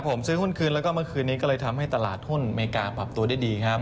ผมซื้อหุ้นคืนแล้วก็เมื่อคืนนี้ก็เลยทำให้ตลาดหุ้นอเมริกาปรับตัวได้ดีครับ